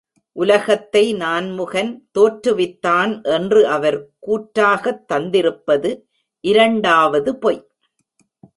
உலகத்தை நான்முகன் தோற்றுவித்தான் என்று அவர் கூற்றாகத் தந்திருப்பது இரண்டாவது பொய்.